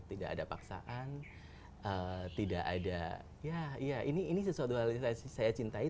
tidak ada paksaan tidak ada ya ini sesuatu hal yang saya cintai